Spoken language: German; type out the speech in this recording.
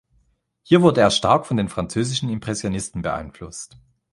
Hier wurde er stark von den französischen Impressionisten beeinflusst.